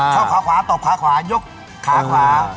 ขาขวาตบขาขวายกขาขวา